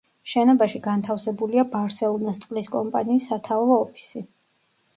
შენობაში განთავსებულია ბარსელონას წყლის კომპანიის სათავო ოფისი.